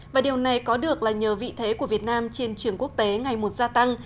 và điều này có được là nhờ vị thế của việt nam trên trường quốc tế ngày một gia tăng